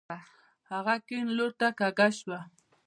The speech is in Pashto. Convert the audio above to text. هغه کيڼ لورته کږه شوه.